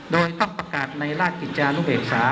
โดยต้องประกาศในราชกิจจานุเบกษา